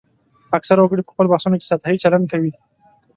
اکثره وګړي په خپلو بحثونو کې سطحي چلند کوي